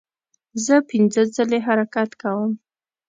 زه پنځه ځلې حرکت کوم.